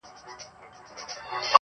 ناپوه دومره په بل نه کوي لکه په ځان -